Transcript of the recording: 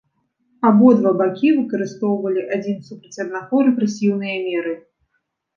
Абодва бакі выкарыстоўвалі адзін супраць аднаго рэпрэсіўныя меры.